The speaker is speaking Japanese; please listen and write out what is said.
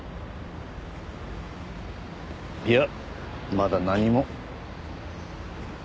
いやまだ何も。